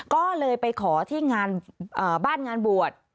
ก็เลยไปขอที่งานบ้านงานบวช